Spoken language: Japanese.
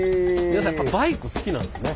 皆さんやっぱバイク好きなんですね！